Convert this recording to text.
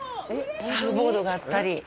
サーフボードがあったり。